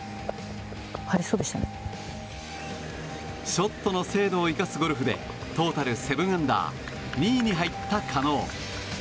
ショットの精度を生かすゴルフでトータル７アンダー２位に入った叶。